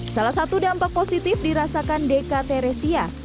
salah satu dampak positif dirasakan deka teresia